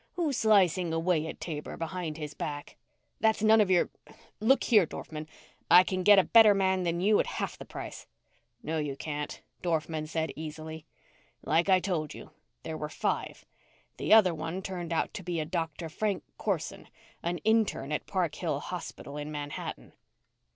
"Who's slicing away at Taber behind his back?" "That's none of your look here, Dorfman, I can get a better man than you at half the price!" "No, you can't," Dorfman said easily. "Like I told you, there were five. The other one turned out to be a Doctor Frank Corson, an intern at Park Hill Hospital in Manhattan."